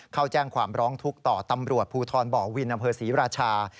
เข้าแจ้งความร้องทุกข์ต่อตำรวจภูทรบ่อวินอำเภอศรีราชา